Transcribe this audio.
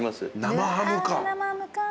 生ハムか。